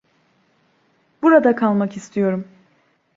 Burada kalmak istiyorum.